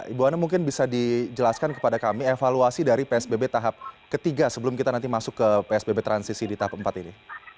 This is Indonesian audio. ibu ana mungkin bisa dijelaskan kepada kami evaluasi dari psbb tahap ketiga sebelum kita nanti masuk ke psbb transisi di tahap empat ini